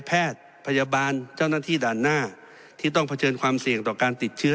แพทย์พยาบาลเจ้าหน้าที่ด่านหน้าที่ต้องเผชิญความเสี่ยงต่อการติดเชื้อ